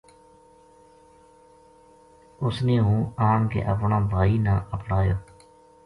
اس نے ہوں آن کے اپنا بھائی نا اپڑایو